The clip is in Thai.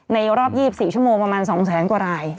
ในรอบ๒๔ชั่วโมงประมาณ๒แสนกว่าราย